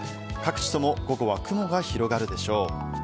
各地とも午後は雲が広がるでしょう。